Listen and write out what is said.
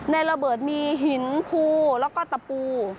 ระเบิดมีหินภูแล้วก็ตะปู